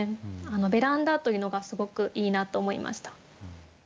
「ベランダ」というのがすごくいいなと思いました。